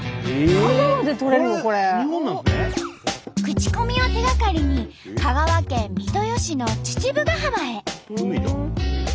口コミを手がかりに香川県三豊市の父母ヶ浜へ。